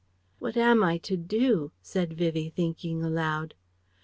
"What am I to do?" said Vivie thinking aloud....